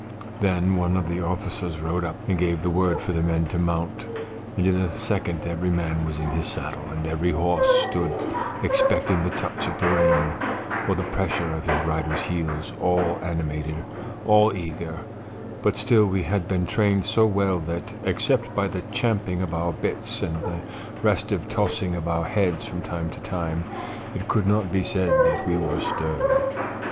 "Then one of the officers rode up and gave the word for the men to mount, and in a second every man was in his saddle, and every horse stood expecting the touch of the rein, or the pressure of his rider's heels, all animated, all eager; but still we had been trained so well that, except by the champing of our bits, and the restive tossing of our heads from time to time, it could not be said that we stirred.